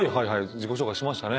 自己紹介しましたね。